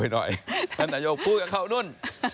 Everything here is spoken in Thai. คิดทิ้วไปหน่อยนายกกพูดกับเขานู้น